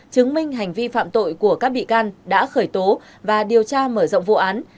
chứng minh hành vi phạm tội của các bị can đã khởi tố và điều tra mở rộng vụ án